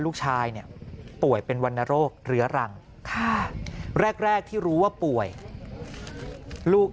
ลูกชายเนี่ยป่วยเป็นวรรณโรคเรื้อรังแรกที่รู้ว่าป่วยลูก